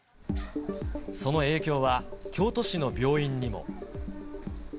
その影響は、京都市の病院にも。